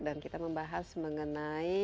dan kita membahas mengenai